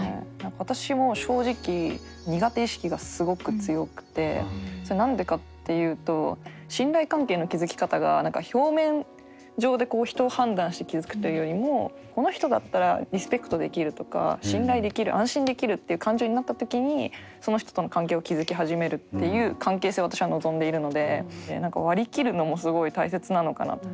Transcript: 私も正直苦手意識がすごく強くて何でかっていうと信頼関係の築き方が何か表面上で人を判断して築くというよりもこの人だったらリスペクトできるとか信頼できる安心できるっていう感情になった時にその人との関係を築き始めるっていう関係性を私は望んでいるので何か割り切るのもすごい大切なのかなと。